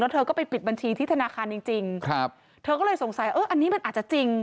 แล้วเธอก็ไปปิดบัญชีที่ธนาคารจริงเธอก็เลยสงสัยว่าอันนี้มันอาจจะจริง